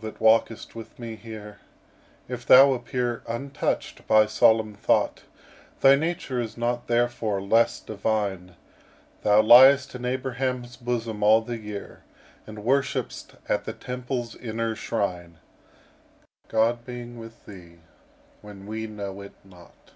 that walkest with me here, If thou appear untouched by solemn thought, Thy nature is not therefore less divine: Thou liest in Abraham's bosom all the year; And worship'st at the Temple's inner shrine, God being with thee when we know it not.